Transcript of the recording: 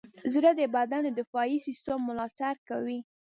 زړه د بدن د دفاعي سیستم ملاتړ کوي.